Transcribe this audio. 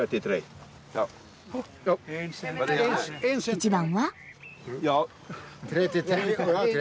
１番は？